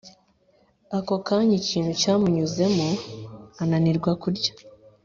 ako kanya ikintu cyamunyuzemo ananirwa kurya